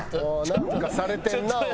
「なんかされてるなあ俺」。